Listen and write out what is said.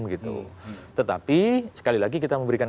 gitu tetapi sekali lagi kita memberikan